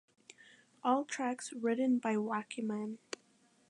All tracks written by Wakeman.